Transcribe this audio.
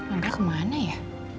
agak kemana ya